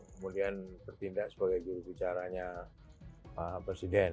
kemudian bertindak sebagai juri bicaranya pak presiden